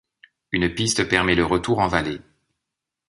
Une piste permet le retour en vallée.